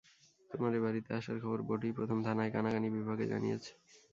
তোমার এ-বাড়িতে আসার খবর বটুই প্রথম থানায় কানাকানি-বিভাগে জানিয়েছে।